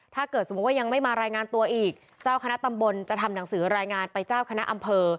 ถ้าเกิดสมมุติว่ายังไม่มารายงานตัวอีกเจ้าคณะตำบลจะทำหนังสือรายงานไปเจ้าคณะอำเภอ